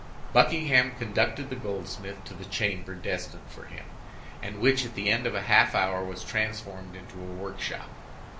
Buckingham conducted the goldsmith to the chamber destined for him, and which, at the end of half an hour, was transformed into a workshop.